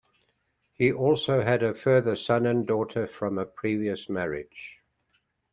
He also had a further son and a daughter from a previous marriage.